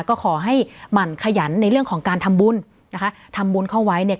ก็ขอให้หมั่นขยันในเรื่องของการทำบุญนะคะทำบุญเข้าไว้เนี่ย